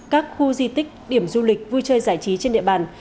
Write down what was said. các khu di tích điểm du lịch vui chơi giải trí trên địa bàn